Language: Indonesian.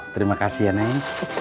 terima kasih ya nek